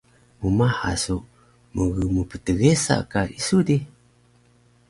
mmaha su mgmptgesa ka isu di